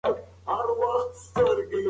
ماشوم د انا له پښو څخه ځان لیرې کړ.